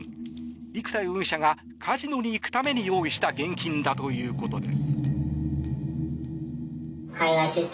生田容疑者がカジノに行くために用意した現金だということです。